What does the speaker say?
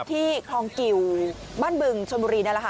ที่คลองกิวบ้านบึงชนบุรีนั่นแหละค่ะ